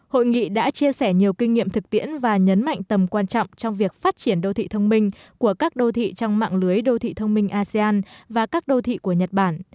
hội nghị đã chia sẻ nhiều kinh nghiệm thực tiễn và nhấn mạnh tầm quan trọng trong việc phát triển đô thị thông minh của các đô thị trong mạng lưới đô thị thông minh asean và các đô thị của nhật bản